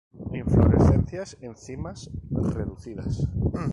Inflorescencias en cimas reducidas.